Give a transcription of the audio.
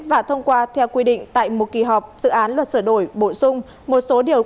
và thông qua theo quy định tại một kỳ họp dự án luật sửa đổi bổ sung một số điều